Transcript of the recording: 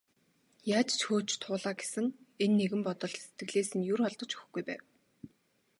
Яаж ч хөөж туулаа гэсэн энэ нэгэн бодол сэтгэлээс нь ер холдож өгөхгүй байв.